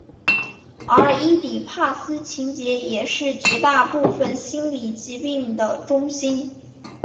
而伊底帕斯情结也是绝大部分心理疾病的中心。